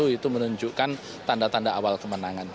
itu menunjukkan tanda tanda awal kemenangan